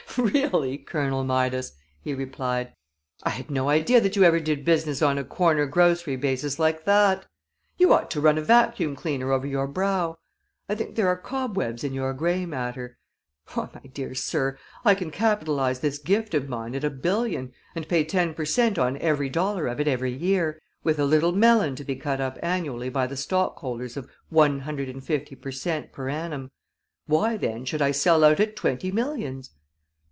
"Really, Colonel Midas," he replied, "I had no idea that you ever did business on a corner grocery basis like that. You ought to run a vacuum cleaner over your brow. I think there are cobwebs in your gray matter. Why, my dear sir, I can capitalize this gift of mine at a billion, and pay ten per cent. on every dollar of it every year, with a little melon to be cut up annually by the stock holders of one hundred and fifty per cent. per annum. Why, then, should I sell out at twenty millions?"